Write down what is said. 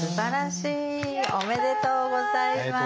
おめでとうございます！